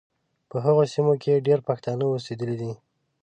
په هغو سیمو کې ډېر پښتانه اوسېدلي دي.